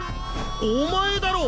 お前だろ！